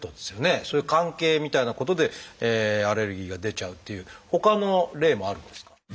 そういう関係みたいなことでアレルギーが出ちゃうっていうほかの例もあるんですか？